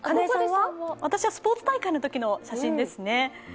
私はスポーツ大会のときの写真ですね。